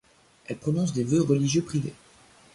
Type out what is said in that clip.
Elles prononcent des vœux religieux privés.